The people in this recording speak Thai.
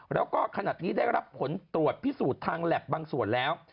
แล้วก็ขนาดนี้ได้รับผลตรวจพิสูจน์ทางแล็บบางส่วนแล้ว